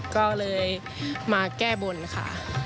ก็เลยมาแก้บนค่ะ